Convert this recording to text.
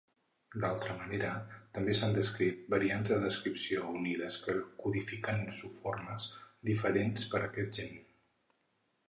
D'altra manera, també s'han descrit variants de transcripció unides que codifiquen isoformes diferents per a aquest gen.